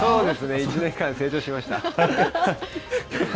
１年間で成長しました。